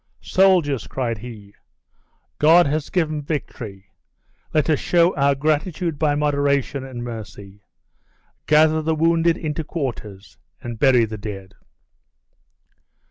"Soldiers!" cried he, "God has given victory let us show our gratitude by moderation and mercy. Gather the wounded into quarters and bury the dead."